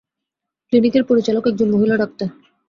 ক্লিনিকের পরিচালক একজন মহিলা ডাক্তার।